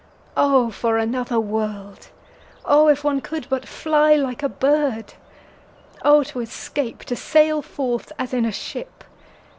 O for another world! O if one could but fly like a bird!O to escape—to sail forth, as in a ship!